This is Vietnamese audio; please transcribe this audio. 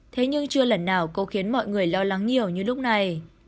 thế nhưng chưa lần nào cô khiến mọi người lo lắng nhiều như lúc này